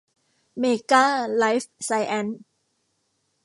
เมก้า ไลฟ์ไซแอ็นซ์